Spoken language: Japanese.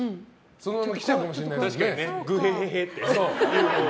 そのまま来ちゃうかもしれないから。